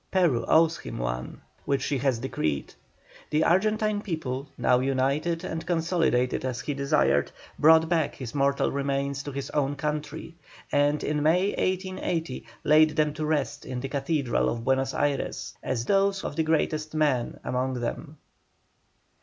Peru owes him one, which she has decreed. The Argentine people, now united and consolidated as he desired, brought back his mortal remains to his own country, and in May, 1880, laid them to rest in the Cathedral of Buenos Ayres, as those of the greatest man among them.